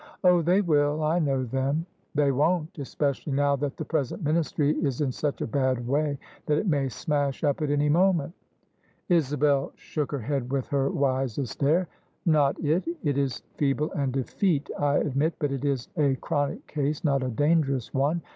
Oh! they will. I know them." "They won't: especially now that the present Ministry is in such a bad way that it may smash up at any moment." Isabel shook her head with her wisest air. " Not it: it is feeble and effete, I admit, but it is a chronic case — ^not a dangerous one.